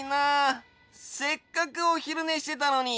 せっかくおひるねしてたのに。